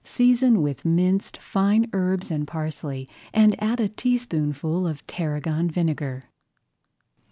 Season with minced fine herbs and parsley and add a teaspoonful of tarragon vinegar.